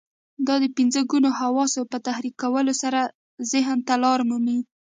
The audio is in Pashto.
دا د پنځه ګونو حواسو په تحريکولو سره ذهن ته لار مومي.